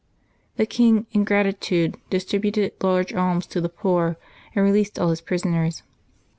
The king, in gratitude, distributed large alms to the poor and released all his prisoners.